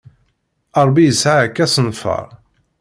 Rebbi yesɛa-ak asenfaṛ.